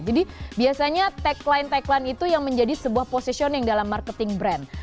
jadi biasanya tagline tagline itu yang menjadi sebuah positioning dalam marketing brand